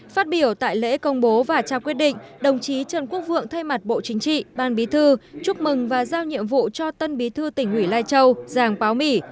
phát biểu tại lễ công bố và trao quyết định đồng chí trần quốc vượng thay mặt bộ chính trị ban bí thư chúc mừng và giao nhiệm vụ cho tân bí thư tỉnh ủy lai châu giàng báo mỹ